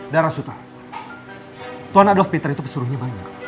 darah suta tuan adalah peter itu pesuruhnya banyak